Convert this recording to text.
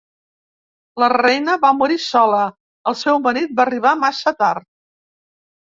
La reina va morir sola, el seu marit va arribar massa tard.